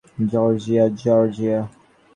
Georgia, Georgia!